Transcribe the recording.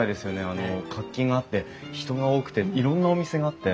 活気があって人が多くていろんなお店があって。